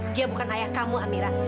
dia bukan ayah kamu amira